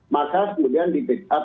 maka kemudian di pick up